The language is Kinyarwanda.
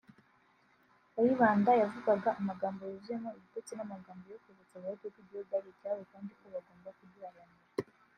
Kayibanda yavugaga amagambo yuzuyemo ibitutsi n’amagambo yo kwibutsa abahutu ko igihugu ari icyabo kandi ko bagomba kugiharanira